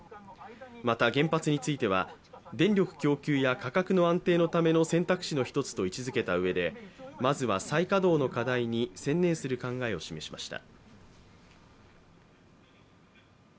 また、原発については電力供給や価格の安定のための選択肢の一つと位置づけたうえでまずは再稼働の課題に専念する考えを示しました。